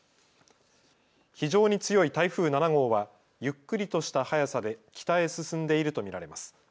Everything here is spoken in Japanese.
非常に強い台風７号はゆっくりとした速さで北へ進んでいると見られます。